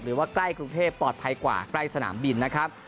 ใกล้กรุงเทพปลอดภัยกว่าใกล้สนามบินนะครับ